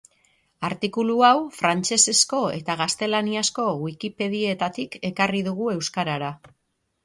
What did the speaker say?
Artikulu hau frantsesezko eta gaztelaniazko Wikipedietatik ekarri dugu euskarara.